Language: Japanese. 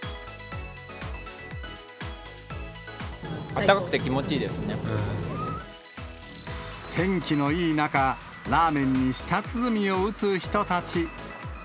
あったかくて気持ちいいです天気のいい中、ラーメンに舌鼓を打つ人たち。